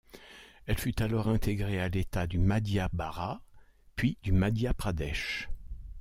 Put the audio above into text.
Elle fut alors intégrée à l'État du Madhya-Bharat puis du Madhya-Pradesh.